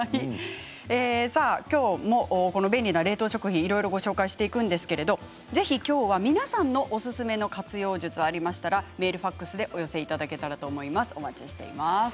今日も便利な冷凍食品いろいろご紹介していくんですけれどぜひ今日は皆さんのおすすめの活用術、ありましたらメール、ファックスでお寄せいただければと思います。